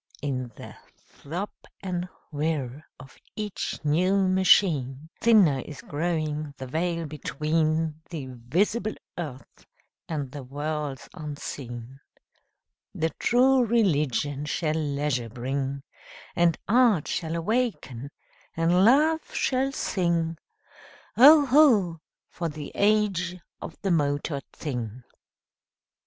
In the throb and whir of each new machine Thinner is growing the veil between The visible earth and the worlds unseen. The True Religion shall leisure bring; And Art shall awaken and Love shall sing: Oh, ho! for the age of the motored thing!